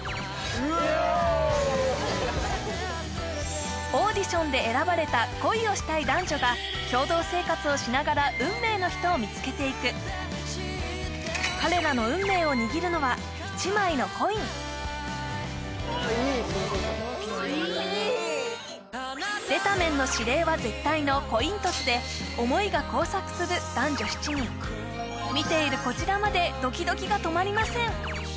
イエーイオーディションで選ばれた恋をしたい男女が共同生活をしながら運命の人を見つけていく彼らの運命を握るのは１枚のコイン出た面の指令は絶対のコイントスで思いが交錯する男女７人見ているこちらまでドキドキが止まりません